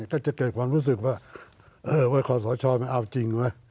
ก็จะเกิดความรู้สึกว่าเออโดยขอสหชาวมน่าเอาจริง